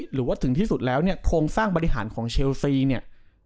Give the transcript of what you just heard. หรือว่าถึงที่สุดแล้วเนี่ยโครงสร้างบริหารของเชลซีเนี่ย